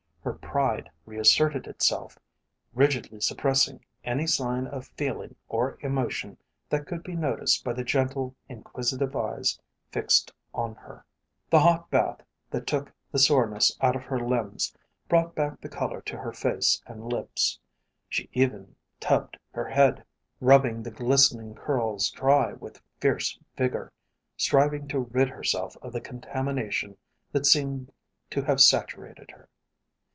Her pride reasserted itself, rigidly suppressing any sign of feeling or emotion that could be noticed by the gentle, inquisitive eyes fixed on her. The hot bath that took the soreness out of her limbs brought back the colour to her face and lips. She even tubbed her head, rubbing the glistening curls dry with fierce vigour, striving to rid herself of the contamination that seemed to have saturated her.